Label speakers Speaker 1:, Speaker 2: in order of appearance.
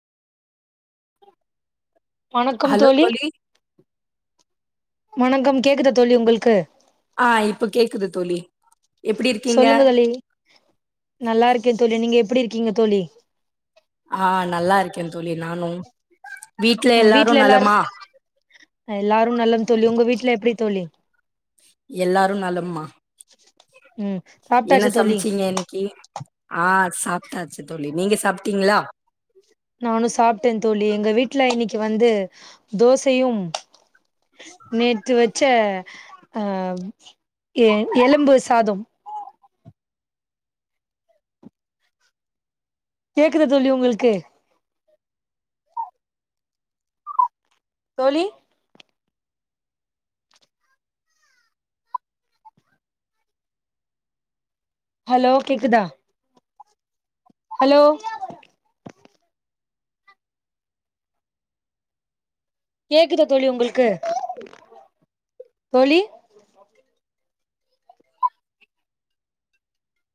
Speaker 1: வணக்கம் தோழி வணக்கம் கேக்குதா தோழி உங்களுக்கு
Speaker 2: ஆ இப்ப கேக்குது தோழி எப்டி இருக்கீங்க
Speaker 1: சொல்லுங்க தோழி நல்லா இருக்கே தோழி நீங்க எப்டி இருக்கீங்க தோழி
Speaker 2: ஆ நல்லா இருக்கே தோழி நானு
Speaker 1: ஆ வீட்ல எல்லாரு ஆ எல்லாரு நலம் தோழி உங்க வீட்ல எப்டி தோழி
Speaker 2: எல்லாரும் நலம் மா
Speaker 1: ம்
Speaker 2: என்ன
Speaker 1: சாப்ட்டாச்சு தோழி
Speaker 2: சமச்சீங்க இன்னக்கி ஆ சாப்ட்டாச்சு தோழி நீங்க சாப்ட்டீங்களா
Speaker 1: நானு சாப்ட்டே தோழி எங்க வீட்ல இன்னக்கி வந்து தோசையும் நேத்து வச்ச ஆ ஏ எலும்பு சாதம் கேக்குதா தோழி உங்களுக்கு தோழி ஹலோ கேக்குதா ஹலோ கேக்குதா தோழி உங்களுக்கு தோழி